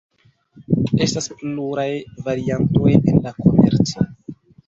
Estas pluraj variantoj en la komerco.